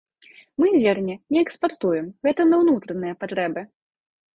Мы зерне не экспартуем, гэта на унутраныя патрэбы.